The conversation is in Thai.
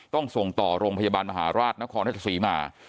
ต้องส่งต่อโรงพยาบาลมหาราชนครราชศรีมา